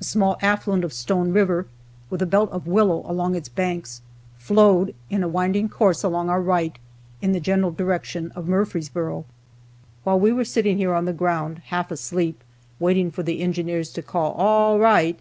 A small affluent of Stone river, with a belt of willow along its banks, flowed in a winding course along our right, in the general direction of Murfreesboro. While we were sitting here on the ground, half asleep, waiting for the engineers to call out "All right!"